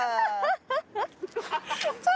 ハハハ。